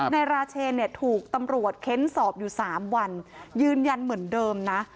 นายราเชนเนี่ยถูกตำรวจเค้นสอบอยู่๓วันยืนยันเหมือนเดิมนะ